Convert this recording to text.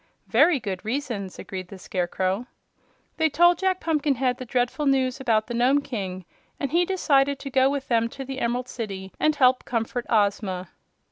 "Very good reasons," agreed the Scarecrow. They told Jack Pumpkinhead of the dreadful news about the Nome King, and he decided to go with them to the Emerald City and help comfort Ozma.